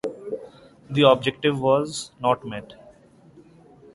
That objective was met.